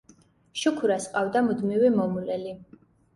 შუქურას ჰყავს მუდმივი მომვლელი.